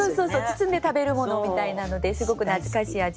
包んで食べるものみたいなのですごく懐かしい味です。